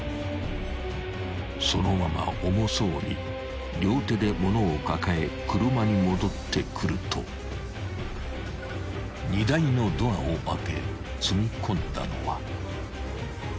［そのまま重そうに両手で物を抱え車に戻ってくると荷台のドアを開け積み込んだのは］